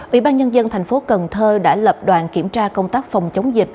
ủy ban nhân dân thành phố cần thơ đã lập đoàn kiểm tra công tác phòng chống dịch